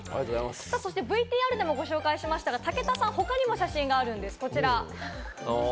ＶＴＲでもご紹介しましたが武田さんの写真、他にもあるんです、こちら。